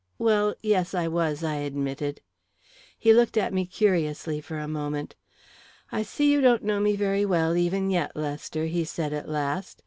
"Well, yes, I was," I admitted. He looked at me curiously for a moment. "I see you don't know me very well, even yet, Lester," he said, at last.